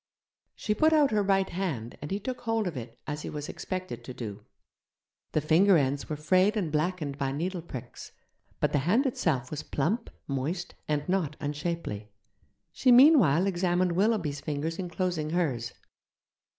She put out her right hand, and he took hold of it, as he was expected to do. The finger ends were frayed and blackened by needle pricks, but the hand itself was plump, moist, and not unshapely. She meanwhile examined Willoughby's fingers enclosing hers.